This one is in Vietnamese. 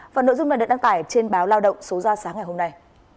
và nội dung này được đăng tải trên báo lao động số ra sáng ngày hôm nay